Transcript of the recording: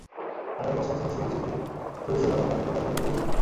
Under construction ছবির shooting শুরুর সময় আমি নাটকের কাজ বন্ধ করে দিয়েছিলাম।